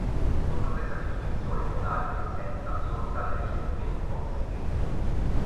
Contro questa definizione modale di essenza, sono state recentemente mosse critiche.